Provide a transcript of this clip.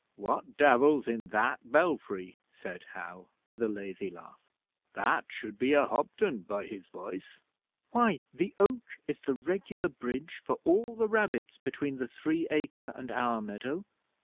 'What Devil's in that belfry?' said Hal, with a lazy laugh. 'That should be a Hobden by his voice.' 'Why, the oak is the regular bridge for all the rabbits between the Three Acre and our meadow.